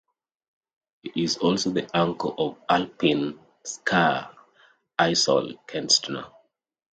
He is also the uncle of alpine skier Isolde Kostner.